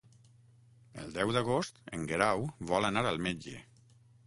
El deu d'agost en Guerau vol anar al metge.